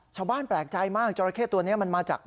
ชาวบ้านแปลกใจมากจราเข้ตัวนี้มันมาจาก